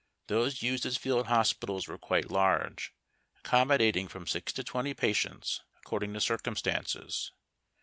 Those used as field hospitals were quite large, accommodating from six to twenty patients, according to circumstances.